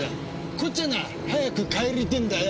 こっちはな早く帰りてえんだよ。